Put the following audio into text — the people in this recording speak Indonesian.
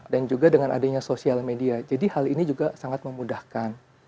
dan juga dengan adanya social media jadi hal ini juga sangat memudahkan